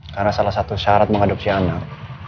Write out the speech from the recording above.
karena salah satu syarat mengadopsi anak